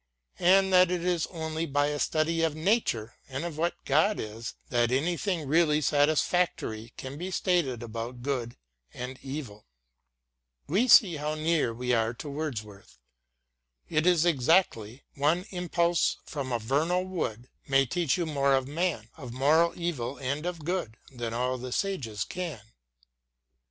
and that it is only by a study of Nature and of what God is that any thing really satisfactory can be stated about good and evil, we see how near we are to Wordsworth : it is exactly One impulse from a vernal wood May teach you more of man, Of moral evil and of good. Than all the sages can.